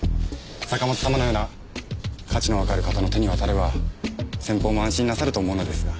坂本様のような価値のわかる方の手に渡れば先方も安心なさると思うのですが。